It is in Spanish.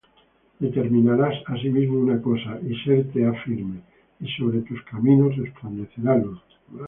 Determinarás asimismo una cosa, y serte ha firme; Y sobre tus caminos resplandecerá luz.